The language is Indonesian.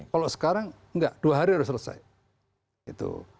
kalau sekarang enggak dua hari harus selesai